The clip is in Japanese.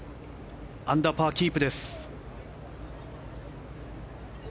アンダーパーキープです。